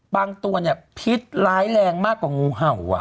บางตัวพิษร้ายแรงมากกว่างูเห่า